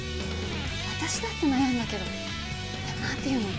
私だって悩んだけどでもなんていうの？